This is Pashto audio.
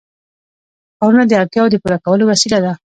ښارونه د اړتیاوو د پوره کولو وسیله ده.